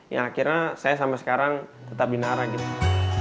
ya akhirnya saya sampai sekarang tetap di narak gitu